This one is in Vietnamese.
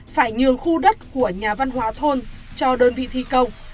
phải nhường khu đất của nhà văn hóa thôn cho đơn vị thi công